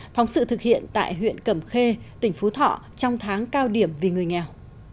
phóng sự thực hiện tại huyện cẩm khê tỉnh phú thọ trong tháng cao điểm vì người nghèo